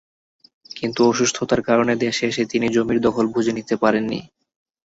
কিন্তু অসুস্থতার কারণে দেশে এসে তিনি জমির দখল বুঝে নিতে পারেননি।